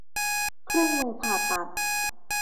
เครื่องมือผ่าตัด